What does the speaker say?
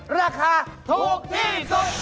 ราคาถูกที่สุด